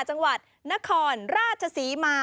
จังหวัดนครราชศรีมา